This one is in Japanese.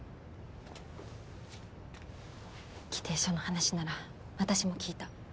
議定書の話なら私も聞いた。